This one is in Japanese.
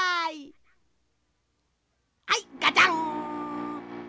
はいガチャン！